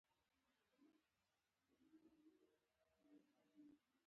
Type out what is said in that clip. وزې د شیدو ښه سرچینه ده